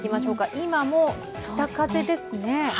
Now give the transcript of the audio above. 今も北風ですね。